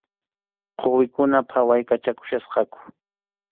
Quwikuna phawaykachaykuchkasqaku.